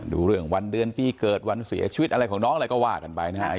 ดูเรื่องวันเดือนปีเกิดวันเสียชีวิตอะไรของน้องอะไรก็ว่ากันไปนะฮะ